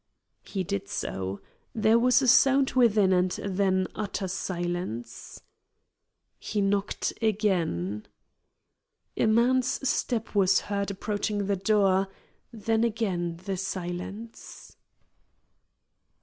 He did so. There was a sound within and then utter silence. He knocked again. A man's step was heard approaching the door, then again the silence.